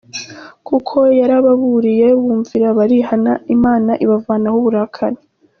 Kuko yarababuriye bumvira barihana Imana ibavanaho uburakari.